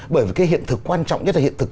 bởi vì cái hiện thực quan trọng nhất là hiện thực